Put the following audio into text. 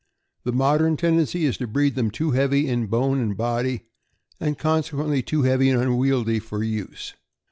The modern tendency is to breed them too heavy in bone and body, and consequently too heavy and unwieldy for use.